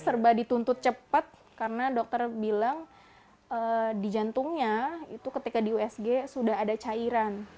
serba dituntut cepat karena dokter bilang di jantungnya itu ketika di usg sudah ada cairan